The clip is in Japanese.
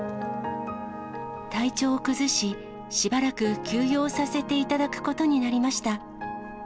体調を崩し、しばらく休養させていただくことになりました。